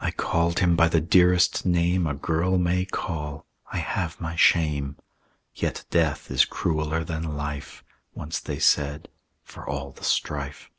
"I called him by the dearest name A girl may call; I have my shame. "'Yet death is crueller than life,' Once they said, 'for all the strife.'